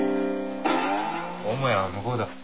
母屋は向こうだ。